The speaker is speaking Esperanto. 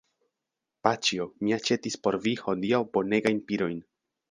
Paĉjo, mi aĉetis por vi hodiaŭ bonegajn pirojn.